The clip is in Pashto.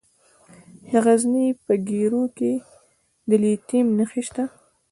د غزني په ګیرو کې د لیتیم نښې شته.